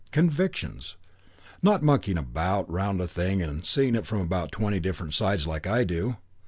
Convictions. Not mucking about all round a thing and seeing it from about twenty different sides like I do.